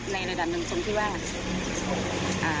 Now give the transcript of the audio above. ในระดับนึงที่ว่า